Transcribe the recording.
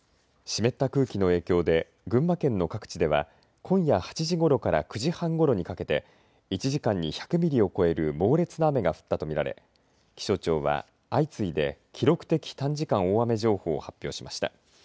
湿った空気の影響で群馬県の各地では今夜８時ごろから９時半ごろにかけて１時間に１００ミリを超える猛烈な雨が降ったとみられ気象庁は相次いで記録的短時間大雨情報を発表しました。